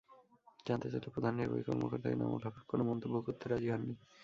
জানতে চাইলে প্রধান নির্বাহী কর্মকর্তা এনামুল হাবীব কোনো মন্তব্য করতে রাজি হননি।